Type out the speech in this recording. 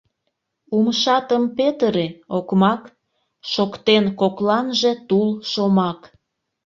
«Умшатым петыре, окмак!» — Шоктен кокланже тул шомак.